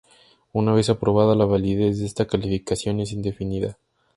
Una vez aprobada, la validez de esta calificación es indefinida.